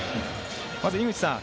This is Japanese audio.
まず、井口さん